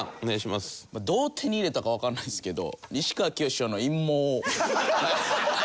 まあどう手に入れたかわからないですけど。